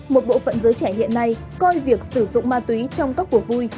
một bộ phận giới trẻ hiện nay coi việc sử dụng ma túy trong các cuộc vui